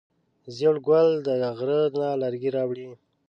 زیړ ګل د غره نه لرګی راوړی.